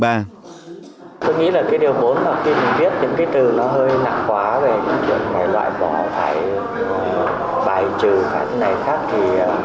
tôi nghĩ là cái điều bốn là khi mình viết những cái từ nó hơi nặng quá về cái chuyện này loại bỏ phải bài trừ cả thế này khác thì